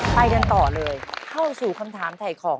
ไปกันต่อเลยเข้าสู่คำถามถ่ายของ